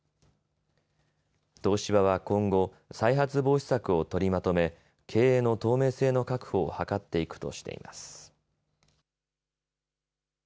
東芝は今後、再発防止策を取りまとめ経営の透明性の確保を図っていくとしています。